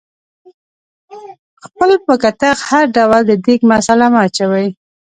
خپل په کتغ کې هر ډول د دیګ مثاله مه اچوئ